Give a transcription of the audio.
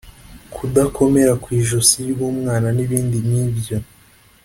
kudakomera kw’ijosi ry’umwana n’ibindi nk’ibyo